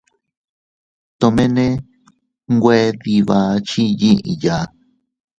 Tomene nwe dii bakchi yiʼya.